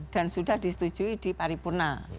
dan sudah disetujui di paripurna